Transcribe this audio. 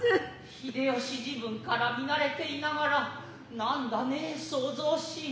秀吉時分から見馴れて居ながら何だねえ騒々しい。